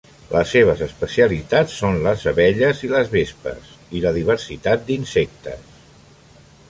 Les seves especialitats són les abelles i les vespes; i la diversitat d'insectes.